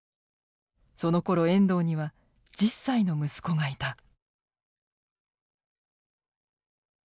そのころ遠藤には１０歳の息子がいた。